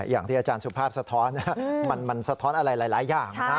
อย่างที่อาจารย์สุภาพสะท้อนมันสะท้อนอะไรหลายอย่างนะ